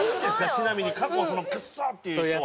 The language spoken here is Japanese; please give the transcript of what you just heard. ちなみに過去「クソ！」って言う人は。